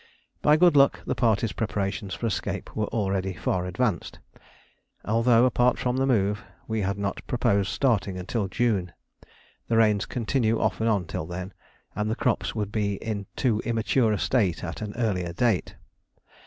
By good luck the party's preparations for escape were already far advanced, although, apart from the move, we had not proposed starting until June: the rains continue off and on till then, and the crops would be in too immature a state at an earlier date.